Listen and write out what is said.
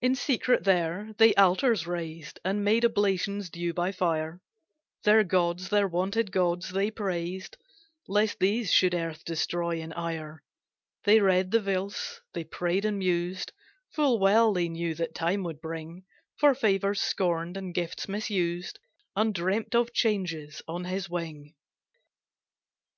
In secret there, they altars raised, And made oblations due by fire, Their gods, their wonted gods, they praised, Lest these should earth destroy in ire; They read the Veds, they prayed and mused, Full well they knew that Time would bring For favours scorned, and gifts misused, Undreamt of changes on his wing.